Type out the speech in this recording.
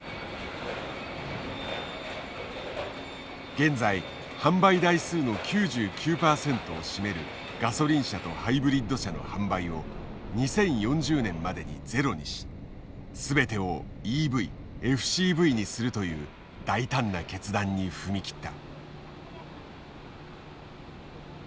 現在販売台数の９９％を占めるガソリン車とハイブリッド車の販売を２０４０年までにゼロにし全てをＥＶＦＣＶにするという大胆な決断に踏み切った。